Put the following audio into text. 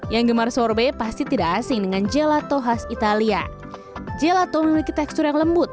yang gemar sorbet pasti tidak asing dengan gelato khas italia gelato memiliki tekstur yang lembut